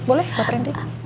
boleh buat randy